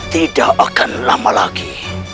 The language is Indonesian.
tidak akan lama lagi